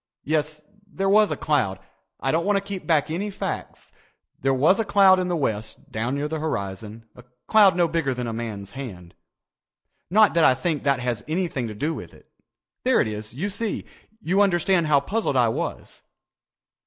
Yes, there was a cloud. I don't want to keep back any facts. There was a cloud in the west down near the horizon, a cloud no bigger than a man's hand. "Not that I think that has anything to do with it. There it is, you see. You understand how puzzled I was.